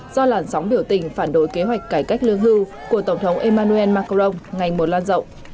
do làn sóng biểu tình phản đối kế hoạch cải cách lương hưu của tổng thống emmanuel macron ngày một lan rộng